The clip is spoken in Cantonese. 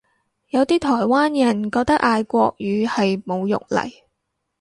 有啲台灣人覺得嗌國語係侮辱嚟